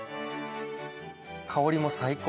香りも最高！